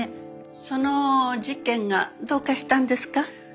その事件がどうかしたんですか？